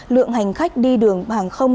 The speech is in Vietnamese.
lượng hành khách đi đường sắt đều tăng lên